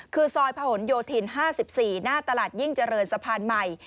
คือซอยผนโยธิน๕๔หน้าตลาดยิ่งเจริญสะพานใหม่